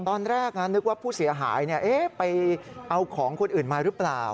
ตอนแรกนึกว่าผู้เสียหายไปเอาของคนอื่นมาหรือเปล่า